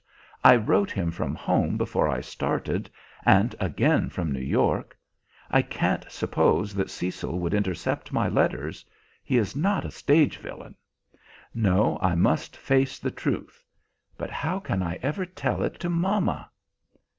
I wrote him from home before I started, and again from New York. I can't suppose that Cecil would intercept my letters. He is not a stage villain. No; I must face the truth. But how can I ever tell it to mamma!"